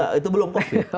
waktu itu belum covid